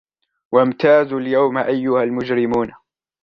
وامتازوا اليوم أيها المجرمون